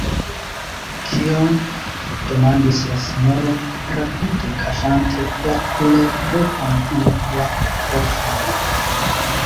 « Kion?», demandis la sinjoro, rapide kaŝante la kulereton en la poŝon.